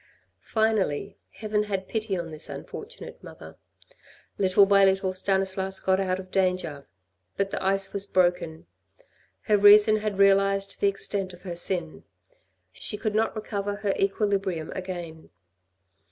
Finally heaven had pity on this unfortunate mother. Little by little Stanislas got out of danger. But the ice was broken. Her reason had realised the extent of her sin. She could not recover her equilibrium again.